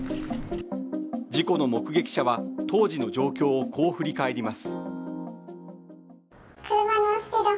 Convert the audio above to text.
事故の目撃者は当時の状況をこう振り返ります。